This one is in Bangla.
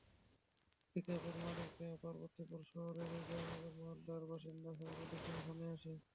পিকআপের মালিক পার্বতীপুর শহরের রেয়াজনগর মহল্লার বাসিন্দা সাইফুল ইসলামও থানায় আসেন।